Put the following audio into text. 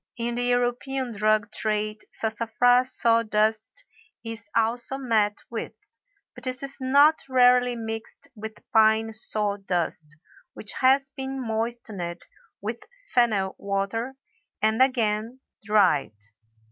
In the European drug trade Sassafras saw dust is also met with, but this is not rarely mixed with pine saw dust which has been moistened with fennel water and again dried.